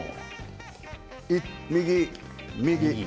右、右。